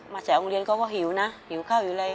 มาที่อองเกียรติ์ข้าก็หิวนะหิวข้าวอยู่เลย